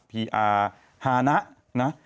พีอาร์ฮานะนะ